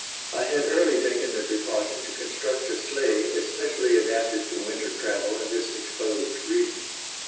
I had early taken the precaution to construct a sleigh especially adapted to winter travel in this exposed region.